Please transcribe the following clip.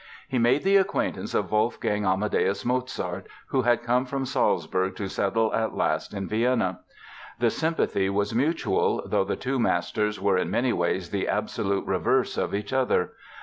He made the acquaintance of Wolfgang Amadeus Mozart, who had come from Salzburg to settle at last in Vienna. The sympathy was mutual, though the two masters were in many ways the absolute reverse of each other.